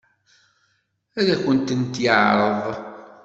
Ad akent-tent-yeɛṛeḍ?